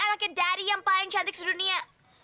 anaknya daddy yang paling cantik sedunia